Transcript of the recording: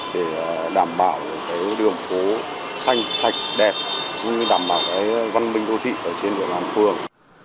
để đảm bảo đường phố xanh sạch đẹp đảm bảo văn minh đô thị ở trên địa đoàn phường